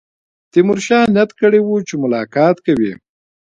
تیمورشاه نیت کړی وو چې ملاقات کوي.